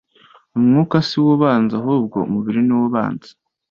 umwuka si wo ubanza, ahubwo umubiri niwo ubanza;